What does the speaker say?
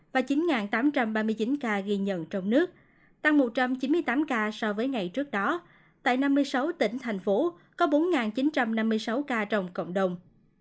và chín tám trăm ba mươi chín ca ghi nhận trong nước tăng một trăm chín mươi tám ca so với ngày trước đó tại năm mươi sáu tỉnh thành phố có bốn chín trăm năm mươi sáu ca trong cộng đồng